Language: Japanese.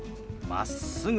「まっすぐ」。